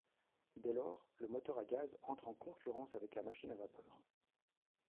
Dès lors, le moteur à gaz entre en concurrence avec la machine à vapeur.